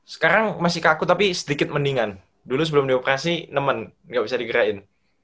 sekarang masih kaku tapi sedikit mendingan dulu sebelum di operasi nemen gak bisa digerain